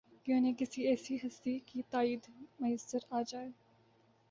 کہ انہیں کسی ایسی ہستی کی تائید میسر آ جائے